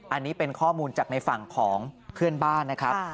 อันนี้เป็นข้อมูลจากในฝั่งของเพื่อนบ้านนะครับ